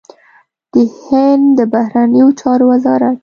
د هند د بهرنيو چارو وزارت